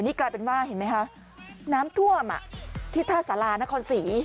นี่กลายเป็นว่าเห็นไหมคะน้ำท่วมที่ท่าสารานครศรี